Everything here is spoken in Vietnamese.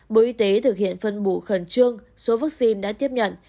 bộ y tế thực hiện phân bổ khẩn trương số vaccine đã tiếp nhận